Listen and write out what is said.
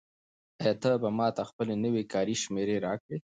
آیا ته به ماته خپله نوې کاري شمېره راکړې؟